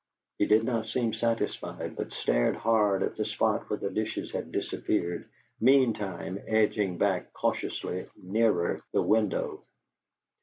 He did not seem satisfied, but stared hard at the spot where the dishes had disappeared, meantime edging back cautiously nearer the window.